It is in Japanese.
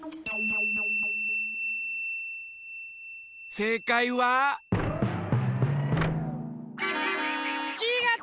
せいかいは？ちがった！